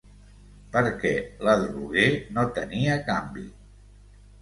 Perquè l'adroguer no tenia canvi